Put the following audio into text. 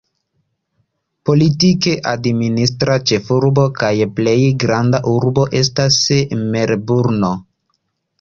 Politike administra ĉefurbo kaj plej granda urbo estas Melburno.